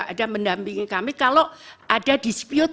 ada mendampingi kami kalau ada dispute